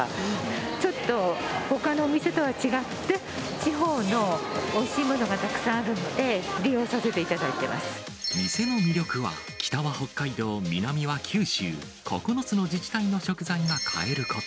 ちょっとほかのお店とは違って、地方のおいしいものがたくさんあるので、利用させていただい店の魅力は、北は北海道、南は九州、９つの自治体の食材が買えること。